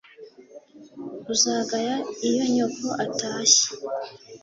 Uzagaya iyo nyoko atashye